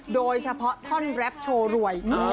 โดยเฉพาะท่อนแรปโชว์รวย